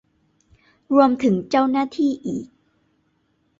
รวมถึงเจ้าหน้าที่อีก